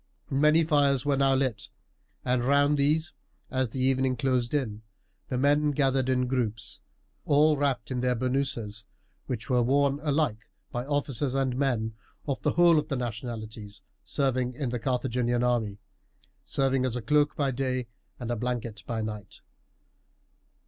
Many fires were now lit; and round these, as the evening closed in, the men gathered in groups, all closely wrapped in their bernouses, which were worn alike by officers and men of the whole of the nationalities serving in the Carthaginian army, serving as a cloak by day and a blanket at night.